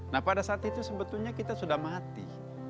nah pada saat itu sebetulnya kita sudah mati